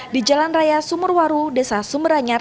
di jalan raya sumerwaru desa sumeranyar